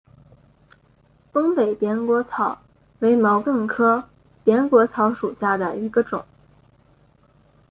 东北扁果草为毛茛科扁果草属下的一个种。